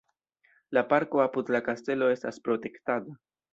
La parko apud la kastelo estas protektata.